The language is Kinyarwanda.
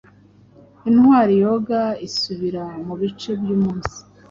Intwari yoga isubira mubice byumunsi